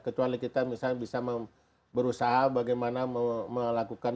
kecuali kita bisa berusaha bagaimana melakukan mitigasi yang lebih mendekati